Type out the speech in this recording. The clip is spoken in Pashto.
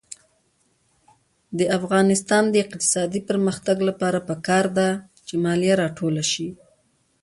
د افغانستان د اقتصادي پرمختګ لپاره پکار ده چې مالیه راټوله شي.